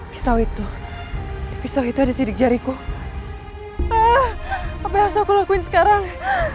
pisau itu pisau itu ada sidik jariku ah apa yang harus aku lakuin sekarang